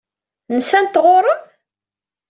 Nsant ɣur-m?